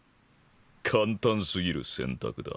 簡単すぎる選択だ。